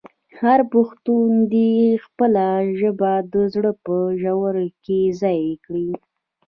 هر پښتون دې خپله ژبه د زړه په ژوره کې ځای کړي.